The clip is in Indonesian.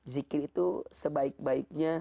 zikir itu sebaik baiknya